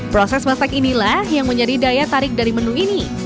proses masak inilah yang menjadi daya tarik dari menu ini